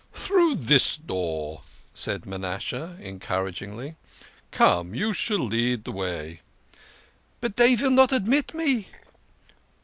"Through this door," said Manasseh encouragingly. "Come you shall lead the way." " But dey vill not admit me